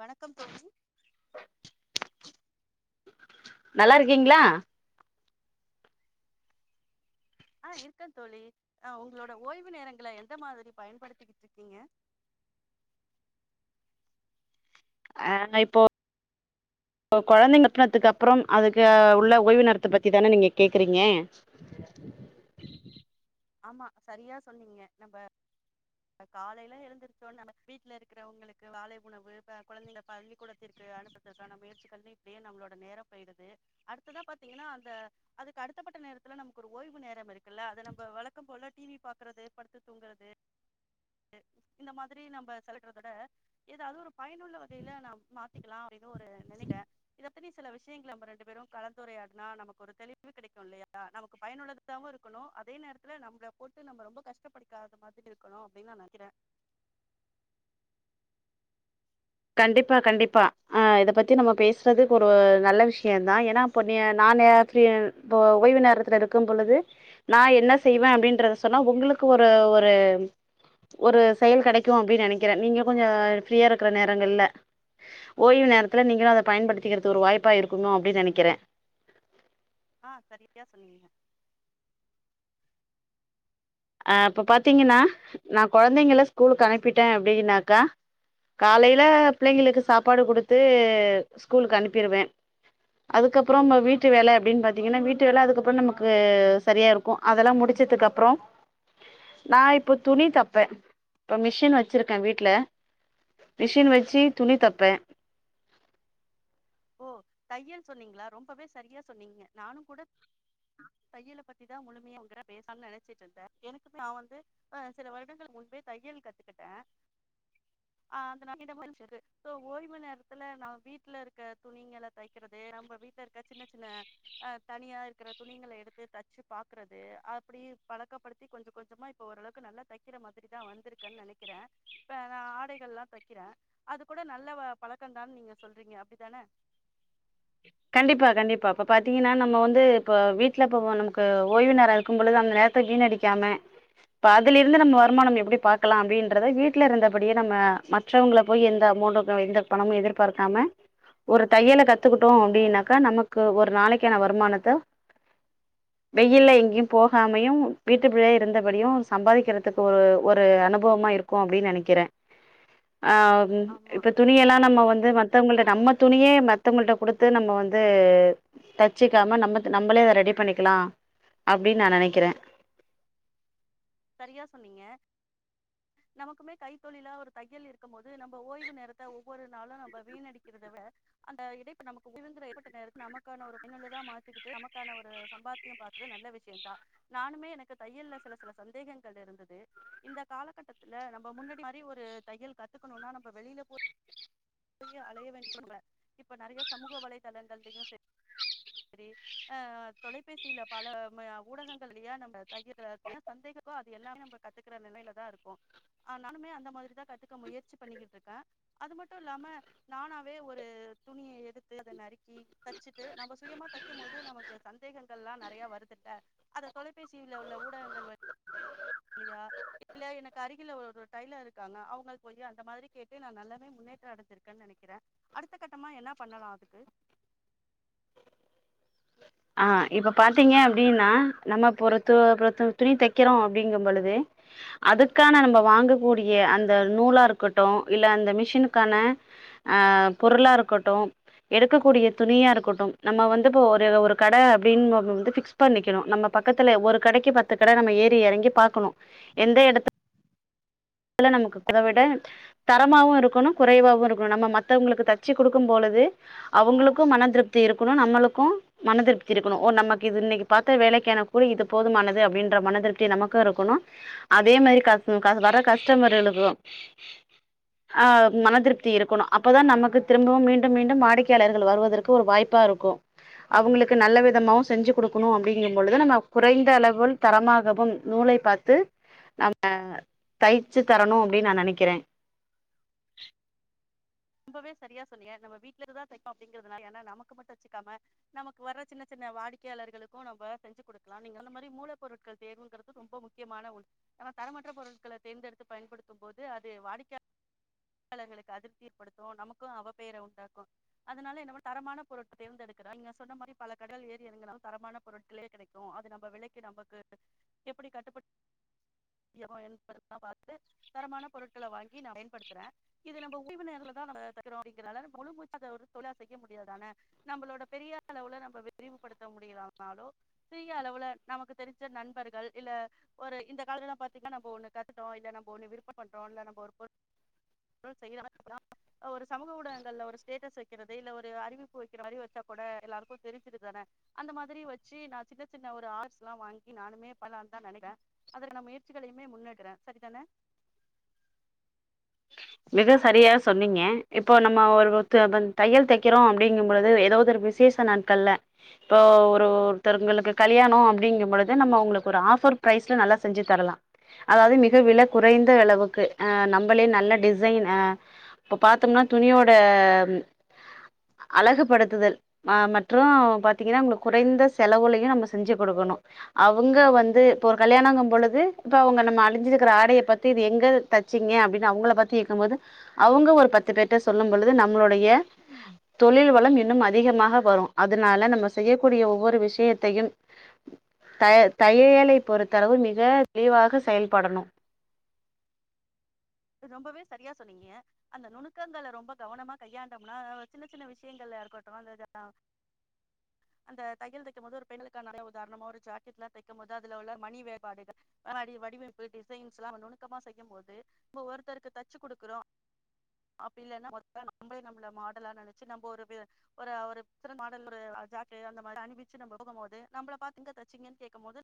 வணக்கம் தோழி நல்லாருக்கிங்ளா ஆ இருக்க தோழி ஆ உங்களோட ஓய்வு நேரங்கள எந்த மாதிரி பயன்படுத்திகிட்ருக்கிங்க அ நா இப்போ கொழந்தை அனுப்பனத்துக்கு அப்பறோ அதுக்கு உள்ள ஓய்வு நேரத்த பத்தி தான நீங்க கேக்கறிங்க ஆமா சரியா சொன்னிங்க நம்ம காலையில எழுந்திருச்சோன்ன நம்ம வீட்ல இருக்கறவங்களுக்கு காலை உணவு இப்ப குழந்தைங்கள பள்ளிக்கூடத்திற்கு அனுப்புறதுக்கான முயற்சிகள்னு இப்டியே நம்மளோட நேரம் போயிடுது அடுத்ததா பாத்திங்கனா அந்த அதுக்கு அடுத்தப்பட்ட நேரத்துல நமக்கு ஒரு ஓய்வு நேரம் இருக்குல்ல அத நம்ம வழ க்கம் போலா டி வி பாக்கறது படுத்து தூங்கறது இந்த மாதிரி நம்ம செலவிடறத விட எதாவுது ஒரு பயனுள்ள வகையில நா மாத்திக்கலா அப்டின்னு ஒரு நினைக்கிறே இத பத்தி சில விஷயங்கள நம்ம ரெண்டு பேரு கலந்துரையாடுனா நமக்கு ஒரு தெளிவு கிடைக்கு இல்லையா நமக்கு பயனுள்ளதாகவு இருக்கணு அதே நேர க்துல நம்ள போட்டு நம்ப ரொம்ப கஷ்டப்படுக்காத மாதிரி இருக்கணு அப்டின்னு நா நெனைக்கிறே கண்டிப்பா கண்டிப்பா ஆ இத பத்தி நம்ம பேசுறதுக்கு ஓ ஒரு நல்ல விஷயம தான் ஏன்னா இப்ப நீ நான் இ ஓய்வு நேரத்துல இருக்கும் பொழுது நான் என்ன செய்வேன் அப்பிடின்றத சொன்னா உங்களுக்கு ஒரு ஒரு ஒரு செயல் கெடைக்கும் அப்பிடின்னு நெனைக்கிறேன் நீங்க கொஞ்சம் ஃப்ரீயா இருக்கிற நேர த்தாங்க இல்ல ஓய்வு நேரத்துல நீங்களும் அத பயன்படுக்கிறதுக்கு ஒரு வாய்ப்பா இருக்கணோ அப்பிடி நெனைக்கறே ஆ செரியா சொன்னீங்க ஆ இப்ப பாத்தீங்கன்னா நான் கொழந்தைங்க ஸ்கூலுக்கு அனுப்பிட்டேன் அப்பிடின்னாக்கா காலையில பிள்ளைங்களுக்கு சாப்பாடு கொடுத்து ஸ்கூலுக்கு அனுப்பிருவேன் அதுக்கப்பறம் நம் வீட்டு வேலை அப்பிடின்னு பாத்தீங்கன்னா வீட்டு வேலை அதுக்கப்பறம் நமக்கு செரியா இருக்கும் அதெல்லாம் முடிச்சதுக்கு அப்பறம் நான் இப்போ துணி தெப்பேன் இப்ப மிஷின் வச்சிருக்கேன் வீட்ல மிஷின் வச்சு துணி தெப்பே ஓ தையல் சொன்னீங்களா ரொம்பவே செரியா சொன்னீங்க நானும் கூட தையலை பத்திதான் முழுமையாங்கிற பேசாம்னு நெனைச்சிட்டு இருந்தேன் எனக்கு நான் வந்து ஆ சில வருடங்களுக்கு முன்பே தையல் கத்துக்கிட்டேன் ஆ ஓய்வு நேரத்துல நான் வீட்ல இருக்க துணிங்களை தக்கறது நம்ம வீட்ல இருக்க சின்ன சின்ன ஆ தனியா இருக்கிற துணிங்களை எடுத்து தச்சு பாக்குறது அப்பிடி பழக்கப்படுத்தி கொஞ்சம் கொஞ்சமா இப்ப ஓரளவுக்கு நல்லா தெக்கிற மாரிதான் வந்திருக்கன்னு நனைக்கிறேன் இப்ப நான் ஆடைகள் எல்லாம் தைக்கிறேன் அது கூட நல்ல பழக்கம் தான்னு நீங்க சொல்றீங்க அப்ப தானே கண்டிப்பா கண்டிப்பா இப்ப பாத்தீங்கன்னா நம்ம வந்து இப்ப வீட்ல இப்ப நமக்கு ஓய்வு நேரம் இருக்கும் பொழுது அந்த நேரத்த வீணடிக்காம இப்ப அதுல இருந்து நம்ம வருமானம் எப்பிடி பாக்கலாம் அப்பிடின்றத வீட்ல இருந்தபடியே நம்ம மற்றவங்களை போய் எந்த அமௌண்ட எந்த பணமும் எதிர்பார்க்காம ஒரு தையல கத் த்துக்கிட்டோம் அப்பிடின்னாக்கா நமக்கு ஒரு நாளைக்கான வருமானத்தை வெயில்ல எங்கேயும் போகாமையும் வீட்டு குள்ளயே இருந்தபடியும் சம்பாதிக்கிறதுக்கு ஒரு ஒரு அனுபவமா இருக்கும் அப்பிடின்னு நெனைக்கிறே ஆ ஆமா இப்ப துணியெல்லாம் நம்ம வந்து மத்தவங்கள நம்ம துணியே ம த்தவங்களிட்ட கொடுத்து நம்ம வந்து தச்சிக்காம நம்ம நம்மளே அத ரெடி பண்ணிக்கலாம் அப்படின்னு நான் நினைக்கிறேன் சரியா சொன்னீங்க நமக்குமே கைத்தொழிலா ஒரு தையல் இருக்கும் போது நம்ம ஓய்வு நேரத்தை ஒவ்வொரு நாளும் நம்ம வீணடிக்கிறதவிட அந்த இடைப்ப நமக்கு உய ஏப்பட்ட நேரத்தை நமக்கான ஒரு பயனுள்ளதான் மாத்திக்கிட்டு நமக்கான ஒரு சம்பாத்தியம் பாக்குறது நல்ல விஷயம தான் நானுமே எனக்கு தையல்ல சில சில சந்தேகங்கள் இருந்தது இந்த காலகட்டத்துல நம்ம முன்னாடி மாதிரி ஒரு தையல் கத்துக்கணும்னா நம்ம வெளியில போய் போய் அலைய வேண்டும் இப்ப நிறைய சமூக வலைதளங்கள்லையும் ச சரி ஆஹ் தொலைபேசியில பல ஊடகங்கள்லயே நம்ம தையல் சந்தேகமோ அது எல்லாமே நம்ம கத்துக்கற நிலையில தான் இருக்கும் ஆஹ் நானுமே அந்த மாதிரிதான் கத்துக்க முயற்சி பண்ணிக்கிட்டு இருக்கேன் அது மட்டும் இல்லாம நானாவே ஒரு துணியை எடுத்து அதை நறுக்கி தைச்சுட்டு நம்ம சுயமா தைக்கும் போது நமக்கு சந்தேகங்கள் லாம் வருதுட்ட அதை தொலைபேசியில் உள்ள ஊடகங்கள் வ இல்லையா இல்ல எனக்கு அருகில் ஒரு கைல இருக்காங்க அவங்களுக்கு போய் அந்த மாதிரி கேட்டு நான் நல்லாவே முன்னேற்றம் அடைஞ்சிருக்கேன்னு ஆஹ் இப்ப பாத்தீங்க அப்படின்னா நம்ம பொற துணி தைக்கிறோம் அப்படிங்கும் பொழுது அதுக்கான நம்ம வாங்கக்கூடிய அந்த நூலா இருக்கட்டும் இல்ல அந்த மிஷினுக்கான அஹ் பொருளா இருக்கட்டும் எடுக்கக்கூடிய துணியா இருக்கட்டும் நம்ம வந்து இப்ப ஒரு ஒர் கட அப்படின்னு நம்மவந்து பிக்ஸ் பண்ணிக்கும் நம்ம பக்கத்துல ஒரு கடைக்கு பத்து கட ஏறி எறங்கி பாக்கனும் எந்த எடத் நமக்குதவிட தரமாவும் இருக்கணும் குறைவாவவும் இருக்கணும் நம்ம மத்தவங்களுக்கு தச்சு கொடுக்கும் பொழுது அவங்களுக்கும் மன திருப்தி இருக்கணும் நம்மளுக்கும் மனதிருப்தி இருக்கணும் ஓ நமக்கு இது இன்னைக்கு பார்த்த வேலைக்கான கூலி இது போதுமானது அப்படின்ற மனதிருப்தி நமக்கு இருக்கனுஅதே மாரி கர் வர கஸ் கஸ்டமர் ஆஹ் மனதிருப்தி இருக்கணும் அப்பதான் நமக்கு திரும்பவும் மீண்டும் மீண்டும் வாடிக்கையாளர்கள் வருவதற்கு ஒரு வாய்ப்பா இருக்கும் அவங்களுக்கு நல்ல விதமாவும் செஞ்சு கொடுக்கணும் அப்படிங்கும் பொழுது நம்ம குறைந்த அளவில் தரமாகவும் நூலைபார்த்து நம்ம தயிச்சு தரணும் அப்படின்னு நான் நினைக்கிறேன் ரொம்பவே சரியா சொன்னீங்க நம்ம வீட்டுல இருக்குதான் தைக்கும் அப்படிங்கறிறதுனால ஏன்னா நமக்கு மட்டும் தச்சுக்காம நமக்கு வர சின்ன சின்ன வாடிக்கையாளர்களுக்கும் நம்ம தச்சு கொடுக்கலாம் நீங்க அந்த மாதிரி மூல பொருட்கள் தேர்வுங்கறிறது ரொம்ப முக்கியமான உண் நம்ம தரமற்ற பொருட்களை தேர்ந்தெடுத்து பயன்படுத்தும் போது அது வாடிக்கையர்களுக்கு அதிர்ச்சி ஏற்படுத்தும் நமக்கும் அவ பேர உண்டாக்கும் அதனால என்னபன்ன தரமான பொருட்கள தேர்ந்தெடுக்ற இங்க சொன்னமாரி பல கடைல ஏறி எறங்னாலும் தரமான பொருட்களே கடைக்கும் அது நம்ப நிலைக்கு நம்பக்கு எப்டி கட்டுபடியா [unintelligible] தரமான பொருட்கள தாங்கி நா பயன்படுத்ற இது நம்ம ஓய்வுநேரத்ல [unintelligible] செய்ய முடியாத நம்மளோட பெரிய அளவு நம்ம விரிவுபடுத்த முடியலனாலும் சிறய அளவுல நமக்கு தெரி்ஞ்ச நண்பர்கள் இல்ல ஒரு இந்த காலத்தீங்கன்னாண்ணு கத்துட்டோம் இல்ல நம்ம விருப்பம் பண்றோம் [unintelligible] ஒரு சமூக ஊடகங்கள்ல ஒரு ஸ்டேட்டஸ் வைக்கிறது இல்ல ஒரு அறிவிப்பு வைக்கிற மாதிரி வச்சா கூட எல்லாருக்கும் தெரிஞ்சுருதானே அந்த மாதிரி வச்சு நான் சின்ன சின்ன ஒரு ஆர்ட்ஸ் எல்லாம் வாங்கி நானுமே பன்லானுதா நினைக்ற அதற்கான முயர்ச்சிகளுமே முன்வக்ற சரிதான மிக சரியா சொன்னீங்க இப்போ நம்ம ஒரு [unintelligible] தையல் தைக்கிறோம் அப்படிங்கும்பழுது ஏதோது ஒரு விசேஷ நாட்கள்ல இப்போ ஒரு ஒருத்தங்களுக்கு கல்யாணம் அப்படிங்கும் பொழுது நம்ம அவங்களுக்கு ஒரு ஆஃபர் பரைஸ்ல செஞ்சி தரலா அதாவது மிக விலை குறைந்த அளவுக்கு அ நம்பளே நல்லா டிஸ் [unintelligible] இப்ப பாத்தம்னா துணியோட அழகுப்படுத்துதல் மற்றும் பாத்தீங்கன்னா உங்களுக்கு குறைந்த செலவுளையும் நம்ம செஞ்சு கொடுக்கணும் அவங்க வந்து இப்ப ஒரு கல்யானங்கபொழுது இப்ப அவுங்க நம்ம அனிஞ்சிருக்ர ஆடைய பத்தி இது எங்க தச்சிங்க அப்டினு அவுங்கள பத் சேர்க்கும்போது அவங்க ஒரு பத்து பேர்ட சொல்லும் பொழுது நம்மளுடைய தொழில் வளம் இன்னும் அதிகமாக வரும் அதனால நம்ம செய்யக்கூடிய ஒவ்வொரு விஷயத்தையும் த தையலை பொறுத்தளவு மிக தெளிவாக செயல்படணும் ரொம்பவே சரியா சொன்னீங்க அந்த நுணுக்கங்களை ரொம்ப கவனமா கையாண்டோம்னா சின்ன சின்ன விஷயங்கள்ல இருக்கட்டும் அந்த் அந்த தையல் தைக்கும் போது ஒரு பெண்களுக்கான நல்லா உதாரணமா ஒரு ஜாக்கெட் எல்லாம் தைக்கும் போது அதுல உள்ள மணி வேலைப்படுகள் வடிவமைப்பு டிசைன்ஸ் எல்லாம் நுணுக்கமா செய்யும் போது இப்போ ஒருத்தருக்கு தச்சு கொடுக்குறோம் அப்டில்லேன்னா நம்பலே நம்பல மாடலா நனச்சி ஒரு ஒரு [unintelligible] தச்சு நம்ப போடும்போது நம்பல பாத்து எங்க தச்சிங்கன்னு கேக்கும்போது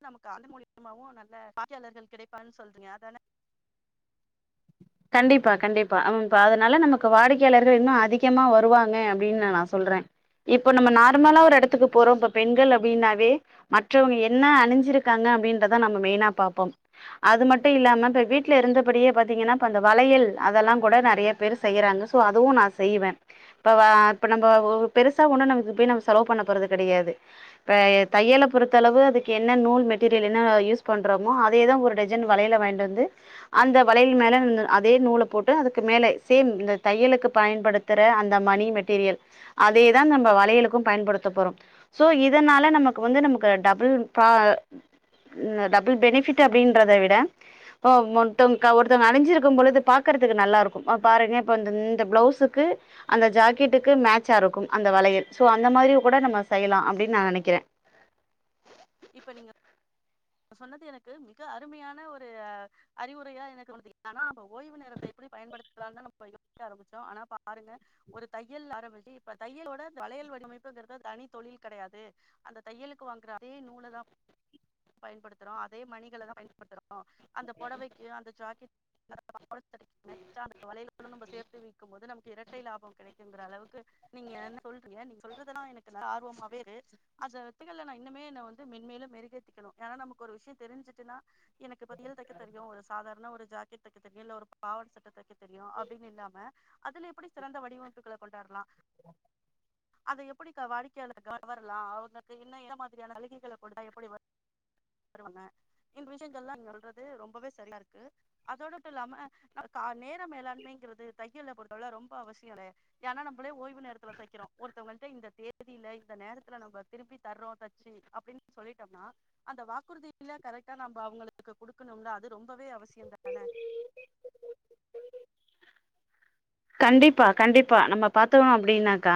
[unintelligible] சொல்ரிங்க கண்டிப்பா கண்டிப்பா அம் இப்ப அதனால நமக்கு வாடிக்கையாளர்கள் இன்னு அதிகமா வருவாங்க அப்டின்னு நா சொல்ரே இப்ப நம்ம நார்மலா ஒரு இடத்துக்கு போரோம் இப்போ பெண்கள் அப்டினாவே மற்ற வங்க என்ன அணிஞ்சிருக்காங்க அப்டின்றத நம்ம மெய்னா பாப்போம் அதுமட்டு இல்லாம இப்ப வீட்ல இருந்தபடியே பாத்திங்கனா அந்த வளையல் அதெல்லாம் கூட நிறைய பேர் செய்யறாங்க சோ அதுவும் நான் செய்வேன் இப்ப அ இப்ப நம்ம ஒரு பெருசா ஒன்னு [unintelligible] செலவுபன்னபோரதுகடையாது இப்ப தையல பொருத்தளவு அதுக்கு நூல் மெட்டிரியல் என்ன யூஸ் பன்ரோமோ அதே தா ஒரு டஜன் வளயல வாய்ன்ட் வந்து அந்த வளையல் மேல அதே நூல போட்டு அதுக்கு மேல சேம் இந்த தையளுக்கு பயன்படுத்துற அந்தக் மணி மெட்டிரியல் அதே தா நம்ப வளையலுக்கு பயன்படுத்தப் ரோம் சோ இதனால நமக்கு வந்து நமக்கு டபுள் பா டபுள் பெனிஃட் அபடின்றத விட [unintelligible] பொது பாக்கறதுக்கு நல்லா இருக்கும் பாருங்க பிளவுஸுக்கு அந்த ஜாக்கெட்டுக்கு மேட்சா இருக்கும் அந்த வலையில் சோ அந்த மாதிரியும் கூட நம்ம செய்யலாம் அப்படின்னு நான் நினைக்கிறேன் இப்ப நீங்க சொன்னது எனக்கு மிக அருமையான ஒரு அறிவுரையா எனக்கு [unintelligible] ஓய்வு நேரத்தை எப்டி பயன்படுத்தலானா [unintelligible] அனா பாருங்க ஒரு தையல்ல ஆரம்பிச்சி இப்ப தையலோட வளையல் வடிவமைப்புங்றது தனி தொழில் கிடையாது அந்த தையலுக்கு வாங்ற அதே நூலை தான் பயன்படுத்துறோம் அதே மணிகளை தான் பயன்படுத்துறோம் அந்த புடவைக்கு அந்த ஜாக்கெட் ஆ அந்த வலைய நம் சேத்து வைக்கும்போது நமக்கு இரட்டை லாபம் கிடைக்கும் ங்கிற அளவுக்கு நீங்க என் சொல்றீங்க நீங்க சொல்றதுல்லாம் எனக்கு ஆர்வமாவே இரு அத ஒத்துக்கல இன்னமே வந்து மென்மேலு மெருகேத்திக்கணும் ஏன்னா நமக்கு ஒரு விஷயம் தெரிஞ்சுட்டுன்னா எனக்கு தையல் தைக்க தெரியும் ஒரு சாதாரண ஒரு ஜாக்கெட் தெக்க தெரியும் இல்ல ஒரு பாவாட சட்ட தெக்க தெரியும் அப்டினு இல்லாம அதுல எப்படி சிறந்த வடிவமைப்புகள கொண்டாறலாம் அத எப்படி வாடிக்கையாலர்கல கவராலம் அவங்க என்ன [unintelligible] அழுகைகள கொடுத்தா எப்டி ஒர்க் இல்லாம இந்த விசியங்களா சொல்றது ரொம்பவே சரியா இருக்கு அதோடட்டு இல்லாம கா நேத் மேலாண்மைங்கிறது தையல்ல பொ [unintelligible] ரொம்ப அவசியம்ல நம்மள ஓய்வு நேரத்துல தெக்கிறோம் ஒருத்தவங்ககிட்ட இந்த தேதியில இந்த நேரத்துல நம்ப திருப்பி தர்றோம் சரி அப்படின்னு சொல்லிட்டோம்னா அந்த வாக்குறுதியில கரெக்டா நம்ம அவங்களுக்கு கொடுக்கணும்ல அது ரொம்பவே அவசியம் தானே கண்டிப்பா கண்டிப்பா நம்ம பாத்தோம் அப்டின்னாக்க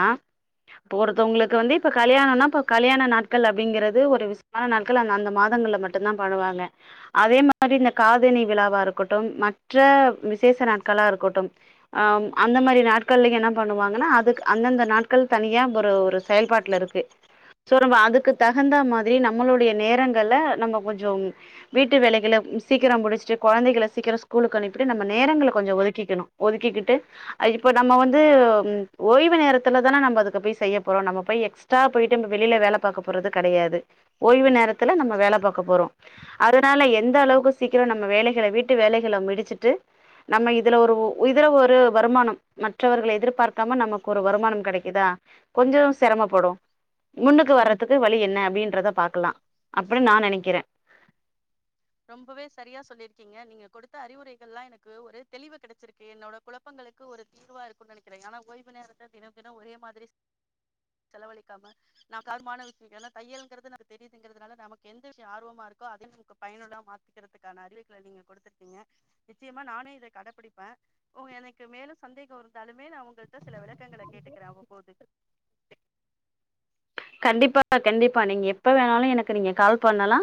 இப்ப ஒருத்தவங்களுக்கு வந்து இப்ப கல்யாணம்னா இப்ப கல்யாண நாட்கள் அப்படிங்கறது ஒரு விசமான நாட்கள் அந்த அந்த மாதங்கள்ல மட்டும்தான் பண்ணுவாங்க அதே மாதிரி இந்த காதனி விழாவா இருக்கட்டும் மற்ற விசேஷ நாட்களா இருக்கட்டும் ஆஹ் அந்த மாறி நாட்கள்ல என்ன பண்ணுவாங்கன்னா அதுக்கு அந்தந்த நாட்கள் தனியா ஒரு ஒரு செயல்பாட்ல இருக்கு ஸோ நம்ம அதுக்கு தகுந்த மாதிரி நம்மளுடைய நேரங்கள நம்ம கொஞ்சம் வீட்டு வேலைகளை சீக்கிரம் முடிச்சிட்டு குழந்தைகளை சீக்கிரம் ஸ்கூலுக்கு அனுப்பிட்டு நம்ம நேரங்கள கொஞ்சம் ஒதுக்கிக்கணும் ஒதுக்கிக்கிட்டு இப்ப நம்ம வந்து ம்ம் ஓய்வு நேரத்துல தானே நம்ம அதுக்கு போய் செய்ய போறோம் நம்ம போய் எக்ஸ்ட்ரா போயிட்டு நம்ம வெளியில வேல பாக்க போறது கெடையாது ஓய்வு நேரத்துல நம்ம வேலை பாக்க போறோம் அதனால எந்த அளவுக்கு சீக்கிரம் நம்ம வேலைகளை வீட்டு வேலைகளை முடிச்சுட்டு நம்ம இதுல ஒரு இதுல ஒரு வருமானம் மற்றவர்களை எதிர்பார்க்காம நமக்கு ஒரு வருமானம் கெடைக்குதா கொஞ்சம் சிரமப்படும் முன்னுக்கு வர்றதுக்கு வழி என்ன அப்டின்றத பாக்கலா அப்பிடி நா நெனைக்கறே ரொம்பவே சரியா சொல்லிருக்கீங்க நீங்க கொடுத்த அறிவுரைகள் எல்லா எனக்கு ஒரு தெளிவு கிடைச்சிருக்கு என்னோட குழப்பங்களுக்கு ஒரு தீர்வா இருக்குன்னு நினைக்கிறே ஆனா ஓய்வு நேரத்துல தினம் தின ஒரே மாதிரி செலவழிக்காம [unintelligible] தையல்ங்கிறது நமக்கு தெரியுதுங்கிறதுதுனால நமக்கு எந்த விஷய ஆர்வமா இருக்கோ அதே நமக்கு பயனுள்ளதா மாத்திக்கறதுக்கான அறிவுரைகளை நீங்க கொடுத்துருக்கீங்க நிச்சயமா நானே இத கடைபிடிப்ப உங்க எனக்கு மேலு சந்தேக இருந்தாலுமே நா உங்கள்ட்ட சில விளக்கங்கள கேட்டுக்கறே அவ்வப்போது கண்டிப்பா பா கண்டிப்பா நீங்க எப்ப வேணாலு எனக்கு நீங்க கால் பண்ணலா